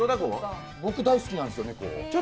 僕、大好きなんですよ